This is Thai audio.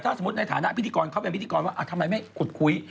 สมมุติในฐานะพิธีกรเขาเป็นพิธีกรว่าทำไมไม่ขุดคุย